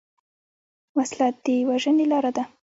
وسله د وژنې لاره ده